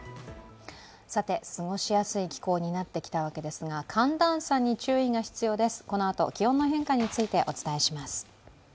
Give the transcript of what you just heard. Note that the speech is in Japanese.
過ごしやすい気候になってきたわけですが、寒暖差に注意が必要です。